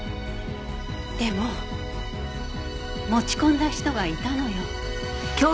でも持ち込んだ人がいたのよ。